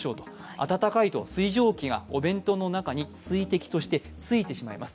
温かいと水蒸気がお弁当の中に水滴としてついてしまいます。